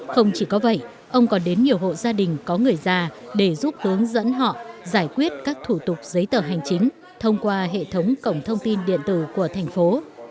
không chỉ có vậy ông còn đến nhiều hộ gia đình có người già để giúp hướng dẫn họ giải quyết các thủ tục giấy tờ hành chính thông qua hệ thống cổng thông tin điện tử của thành phố